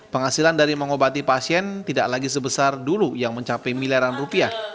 penghasilan dari mengobati pasien tidak lagi sebesar dulu yang mencapai miliaran rupiah